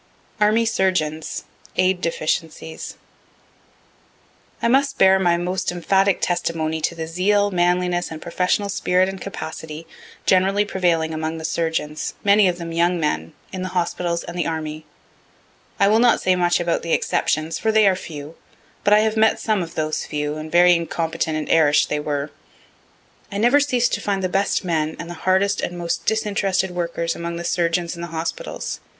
ARMY SURGEONS AID DEFICIENCIES I must bear my most emphatic testimony to the zeal, manliness, and professional spirit and capacity, generally prevailing among the surgeons, many of them young men, in the hospitals and the army. I will not say much about the exceptions, for they are few; (but I have met some of those few, and very incompetent and airish they were.) I never ceas'd to find the best men, and the hardest and most disinterested workers, among the surgeons in the hospitals.